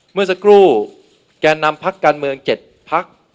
เมื่อสักครู่แกนำภัคกรรมเมือง๗ภัค